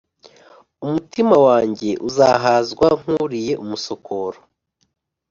Umutima wanjye uzahazwa nk uriye umusokoro